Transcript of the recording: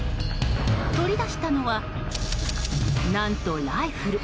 取り出したのは何と、ライフル。